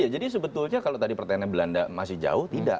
jadi sebetulnya kalau tadi pertanyaannya belanda masih jauh tidak